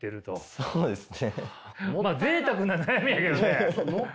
そうですね。